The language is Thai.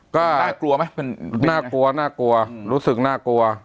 ก็น่ากลัวไหมน่ากลัวน่ากลัวรู้สึกน่ากลัว